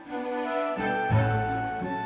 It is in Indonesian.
sia sia yang kuandalkan diri